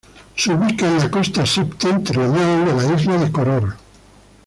Se ubica en la costa septentrional de la isla de Koror.